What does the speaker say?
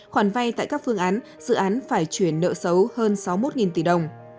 khoản vay tại các phương án dự án phải chuyển nợ xấu hơn sáu mươi một tỷ đồng